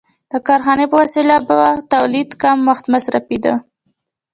د کارخانې په وسیله په تولید کم وخت مصرفېده